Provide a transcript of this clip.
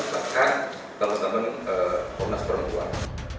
kita akan melakukan lalu lalu komnas perempuan